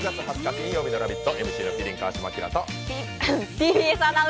金曜日の「ラヴィット！」